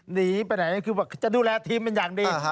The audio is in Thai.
หนีไปไหนจะดูแลทีมเป็นอย่างนี้